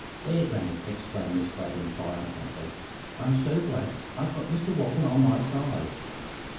"There, grannie!" exclaimed Miss Gladwyn, triumphantly. "I'm so glad I've got Mr Walton on my side!"